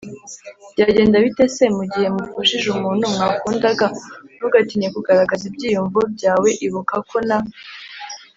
Byagenda bite se mu gihe mupfushije umuntu mwakundaga Ntugatinye kugaragaza ibyiyumvo byawe Ibuka ko na